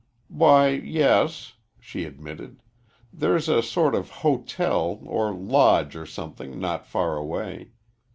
"Why, yes," she admitted, "there's a sort of hotel or lodge or something, not far away.